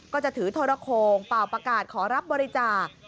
ก็จะถือโทรโครงเป่าประกาศขอรับบริจาค